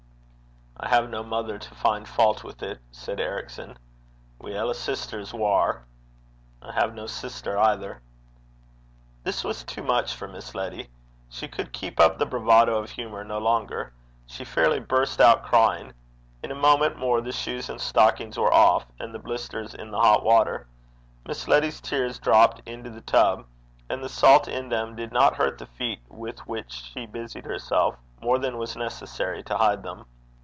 'I have no mother to find fault with it,' said Ericson. 'Weel, a sister's waur.' 'I have no sister, either.' This was too much for Miss Letty. She could keep up the bravado of humour no longer. She fairly burst out crying. In a moment more the shoes and stockings were off, and the blisters in the hot water. Miss Letty's tears dropped into the tub, and the salt in them did not hurt the feet with which she busied herself, more than was necessary, to hide them.